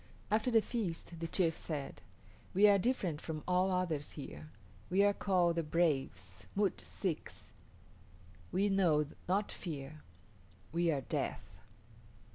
After the feast the chief said, "We are different from all others here. We are called the Braves (M[)u]t´ s[)i]ks). We know not fear; we are death.